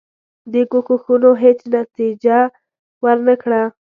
دې کوښښونو هیڅ نتیجه ورنه کړه.